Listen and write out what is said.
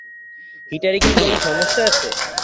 হিটারে কি কোনো সমস্যা আছে?